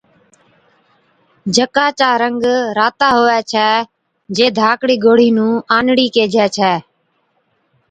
جڪا چا رنگ راتا هُوَي ڇَي، جي ڌاڪڙِي گوڙهِي نُون آنڙِي ڪيهجَي ڇَي۔